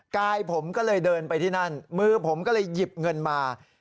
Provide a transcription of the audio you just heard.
กายผมก็เลยเดินไปที่นั่นมือผมก็เลยหยิบเงินมา